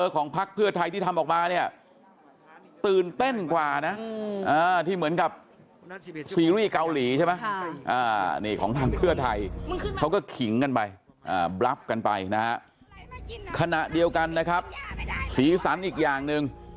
ขณะเดียวกันนะครับศีรษรอีกอย่างหนึ่ง